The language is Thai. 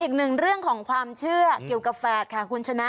อีกหนึ่งเรื่องของความเชื่อเกี่ยวกับแฝดค่ะคุณชนะ